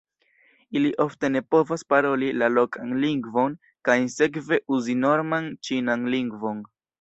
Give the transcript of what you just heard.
Ili ofte ne povas paroli la lokan lingvon kaj sekve uzi norman ĉinan lingvon.